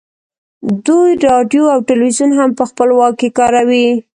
دوی راډیو او ټلویزیون هم په خپل واک کې کاروي